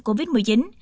của bệnh nhân